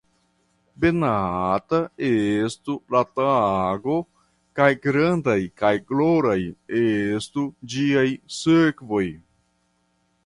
Benata estu la tago, kaj grandaj kaj gloraj estu ĝiaj sekvoj!